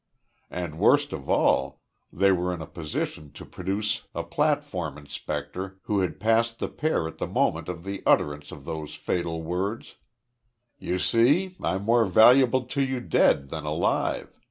And worst of all, they were in a position to produce a platform inspector who had passed the pair at the moment of the utterance of those fatal words: "You see, I'm more valuable to you dead than alive.